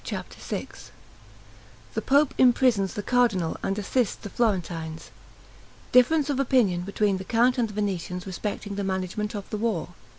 CHAPTER VI The pope imprisons the cardinal and assists the Florentines Difference of opinion between the count and the Venetians respecting the management of the war.